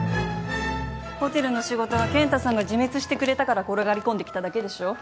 ホテルの仕事は健太さんが自滅してくれたから転がり込んできただけでしょう。